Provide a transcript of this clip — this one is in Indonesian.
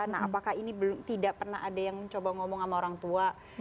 nah apakah ini tidak pernah ada yang coba ngomong sama orang tua